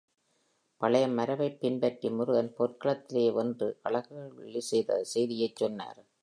பழைய மரபைப் பின்பற்றி முருகன் போர்க்களத்திலே வென்று களவேள்வி செய்த செய்தியைச் சொன்னார்.